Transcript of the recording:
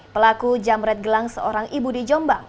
pelaku jamret gelang seorang ibu di jombang